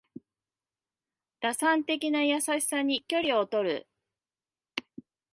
打算的な優しさに距離をとる